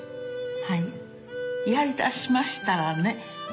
やりだしましたらね